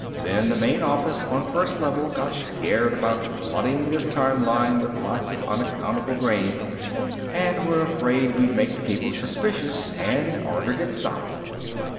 Then the main office on First Level got scared about flooding this time line with a lot of unaccountable grain and were afraid we'd make the people suspicious, and ordered it stopped.